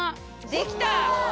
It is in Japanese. できた！